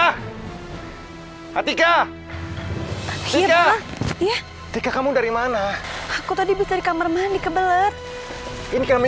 hai hatika hiya ya tika kamu dari mana aku tadi bisa di kamar mandi kebelet ini kami